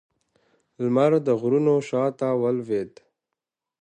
لمر د غرونو شا ته ولوېد